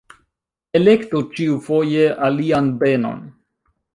Elektu ĉiufoje alian benon.